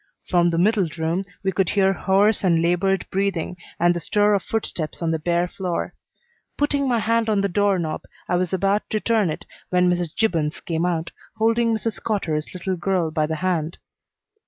From the middle room we could hear hoarse and labored breathing and the stir of footsteps on the bare floor. Putting my hand on the door knob, I was about to turn it when Mrs. Gibbons came out, holding Mrs. Cotter's little girl by the hand.